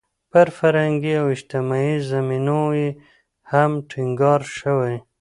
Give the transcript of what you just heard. پر فرهنګي او اجتماعي زمینو یې هم ټینګار شوی.